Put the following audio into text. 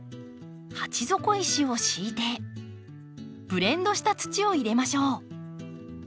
鉢底石を敷いてブレンドした土を入れましょう。